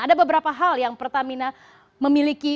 ada beberapa hal yang pertamina memiliki fungsi kinerja